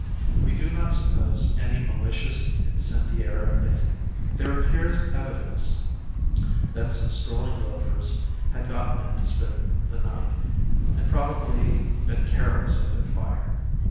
We do not suppose any malicious incendiarism. There appears evi dence that some strolling loafers had gotten in to spend the night, and probably been careless of their fire.